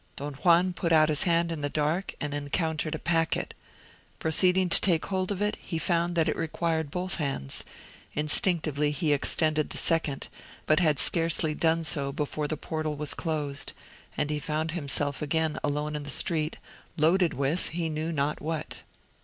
Don Juan put out his hand in the dark, and encountered a packet. Proceeding to take hold of it, he found that it required both hands; instinctively he extended the second, but had scarcely done so before the portal was closed, and he found himself again alone in the street, loaded with, he knew not what.